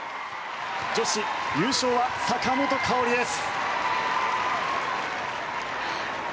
女子、優勝は坂本花織です。